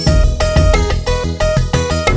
saata tau engep saya